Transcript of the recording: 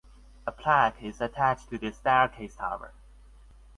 A plaque is attached to the staircase tower.